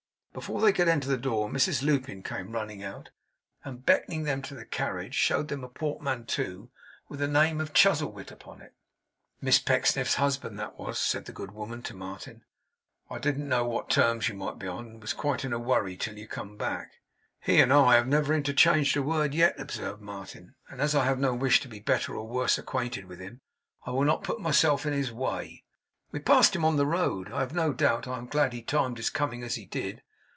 Before they could enter at the door, Mrs Lupin came running out; and beckoning them to the carriage showed them a portmanteau with the name of CHUZZLEWIT upon it. 'Miss Pecksniff's husband that was,' said the good woman to Martin. 'I didn't know what terms you might be on, and was quite in a worry till you came back.' 'He and I have never interchanged a word yet,' observed Martin; 'and as I have no wish to be better or worse acquainted with him, I will not put myself in his way. We passed him on the road, I have no doubt. I am glad he timed his coming as he did.